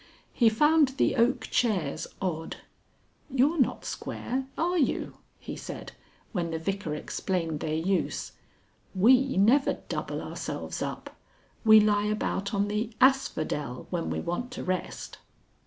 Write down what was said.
He found the oak chairs odd "You're not square, are you?" he said, when the Vicar explained their use. "We never double ourselves up. We lie about on the asphodel when we want to rest."